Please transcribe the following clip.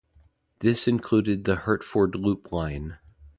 This included the Hertford Loop Line.